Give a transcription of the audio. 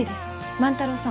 万太郎さん